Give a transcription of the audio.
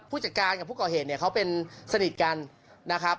ผู้จัดการกับผู้ก่อเหตุเนี่ยเขาเป็นสนิทกันนะครับ